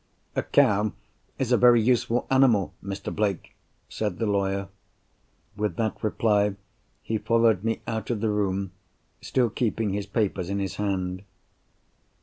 "A cow is a very useful animal, Mr. Blake," said the lawyer. With that reply he followed me out of the room, still keeping his papers in his hand.